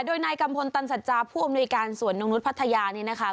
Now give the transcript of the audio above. โดยนายกัมพลตันสัจจาผู้อำนวยการสวนนกนุษย์พัทยานี่นะคะ